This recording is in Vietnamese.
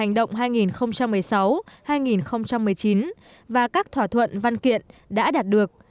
hành động hai nghìn một mươi sáu hai nghìn một mươi chín và các thỏa thuận văn kiện đã đạt được